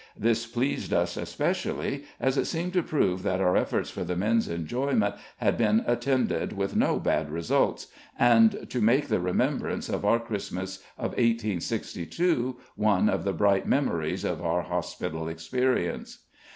This pleased us especially, as it seemed to prove that our efforts for the men's enjoyment had been attended with no bad results, and to make the remembrance of our Christmas of 1862 one of the bright memories of our hospital experience.